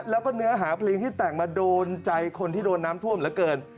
แล้วก็เนื้อหาเพลงที่แต่งมาโดนใจคนที่โดนน้ำท่วมเหลือเกิน